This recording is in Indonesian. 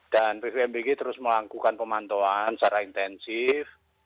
dan pbbd terus melakukan pemantauan secara intensif